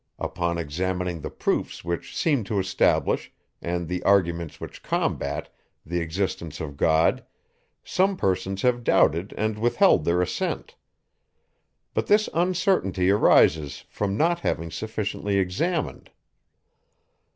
Upon examining the proofs which seem to establish, and the arguments which combat, the existence of God, some persons have doubted and withheld their assent. But this uncertainty arises from not having sufficiently examined.